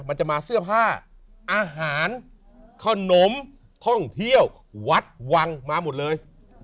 มันจะมาเสื้อผ้าอาหารขนมท่องเที่ยววัดวังมาหมดเลย